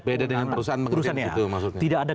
kewenangan beda dengan perusahaan tidak ada